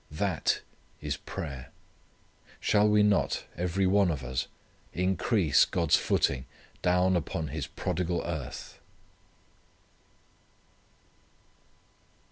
That is prayer. Shall we not, every one of us, increase God's footing down upon His prodigal earth!